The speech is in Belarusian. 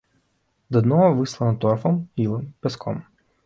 Дно выслана торфам, ілам, пяском.